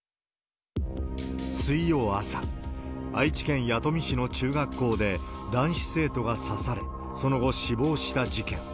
水曜朝、愛知県弥富市の中学校で男子生徒が刺され、その後死亡した事件。